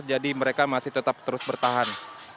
jadi mereka masih tetap terus bertahan